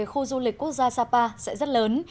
khu du lịch quốc gia sapa sẽ rất lớn